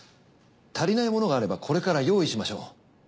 足りないものがあればこれから用意しましょう。